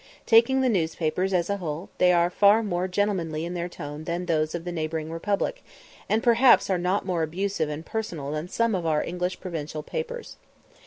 Taking the newspapers as a whole, they are far more gentlemanly in their tone than those of the neighbouring republic, and perhaps are not more abusive and personal than some of our English provincial papers.